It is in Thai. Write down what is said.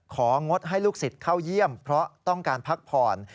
งดให้ลูกศิษย์เข้าเยี่ยมเพราะต้องการพักผ่อน